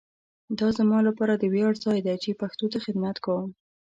دا زما لپاره د ویاړ ځای دی چي پښتو ته خدمت کوؤم.